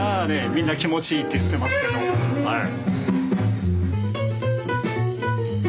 みんな気持ちいいって言ってますけどはい。